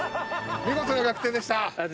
見事な逆転でした。